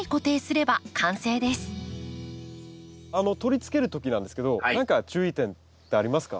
取り付ける時なんですけど何か注意点ってありますか？